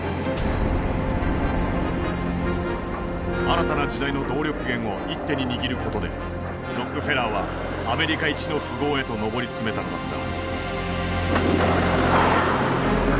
新たな時代の動力源を一手に握ることでロックフェラーはアメリカ一の富豪へと上り詰めたのだった。